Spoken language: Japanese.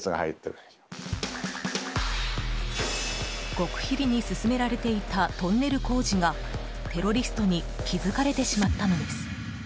極秘裏に進められていたトンネル工事がテロリストに気付かれてしまったのです。